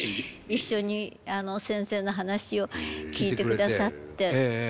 一緒に先生の話を聞いてくださって。